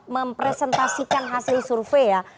mempresentasikan hasil survei ya